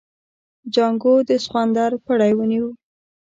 جانکو د سخوندر پړی ونيو.